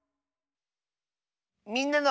「みんなの」。